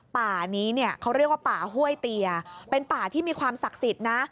ป่านี้เนี่ยเขาเรียกว่าป่าห้วยเตียเป็นป่าที่มีความศักดิ์สิทธิ์นะ